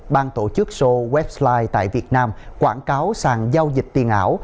bang tổ chức show webslide tại việt nam quảng cáo sàn giao dịch tiền ảo